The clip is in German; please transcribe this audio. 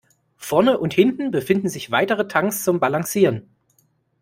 Vorne und hinten befinden sich weitere Tanks zum Balancieren.